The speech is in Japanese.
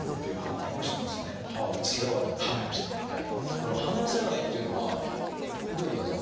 この「話せない」っていうのはどういうことなんですか？